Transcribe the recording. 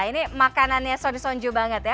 ini makanannya sonny sonjo banget ya